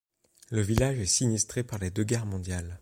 Le village est sinistré par les deux guerres mondiales.